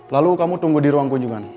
lalu kamu tunggu di ruang kunjungan